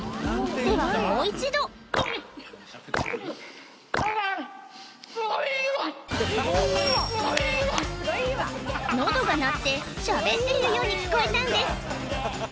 ではもう一度喉が鳴ってしゃべってるように聞こえたんです